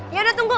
ya udah tunggu